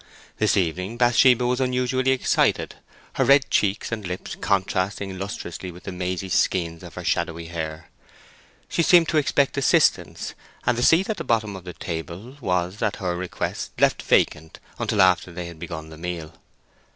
This evening Bathsheba was unusually excited, her red cheeks and lips contrasting lustrously with the mazy skeins of her shadowy hair. She seemed to expect assistance, and the seat at the bottom of the table was at her request left vacant until after they had begun the meal.